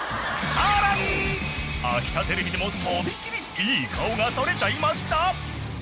［さらに秋田テレビでも飛び切りいい顔が撮れちゃいました］